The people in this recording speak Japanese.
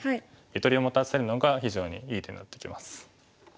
ゆとりを持たせるのが非常にいい手になってきます。